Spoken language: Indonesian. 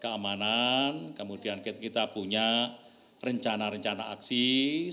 keamanan kemudian kita punya rencana rencana aksi